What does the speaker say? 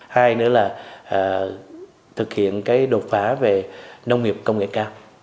hai nữa là thực hiện cái đột phá về nông nghiệp công nghệ cao